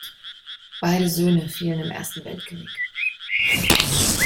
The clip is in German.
Beide Söhne fielen im Ersten Weltkrieg.